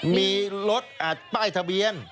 มีรถป้ายทะเบียน